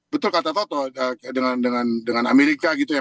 betul kata toto dengan amerika gitu ya